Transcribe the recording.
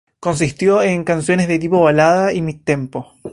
Consistió en canciones tipo balada y midtempo.